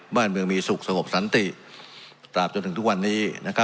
บ้านเมืองมีสุขสะหกสันติตามจนถึงทุกวันนี้นะครับ